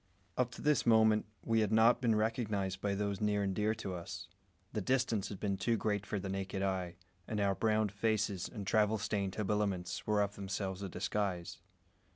Up to this moment we had not been recognised by those near and dear to us. The distance had been too great for the naked eye, and our browned faces and travel stained habiliments were of themselves a disguise.